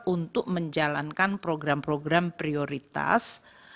untuk menjalankan program program prioritas